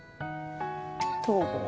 東郷